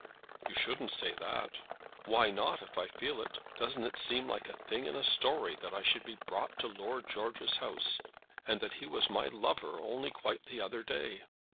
"You shouldn't say that." "Why not, if I feel it? Doesn't it seem like a thing in a story that I should be brought to Lord George's house, and that he was my lover only quite the other day?"